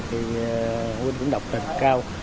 thì huynh cũng đọc tật cao